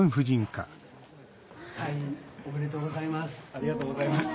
ありがとうございます。